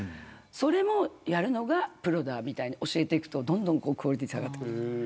それもやるのがプロだみたいに教えていくとどんどんクオリティーが下がっていく。